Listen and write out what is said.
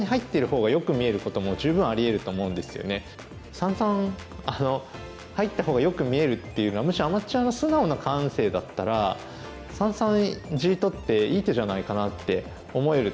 三々入った方がよく見えるっていうのはむしろアマチュアの素直な感性だったら三々地取っていい手じゃないかなって思えると思うんですね。